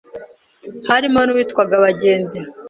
harimo n’uwitwa Bagenzi,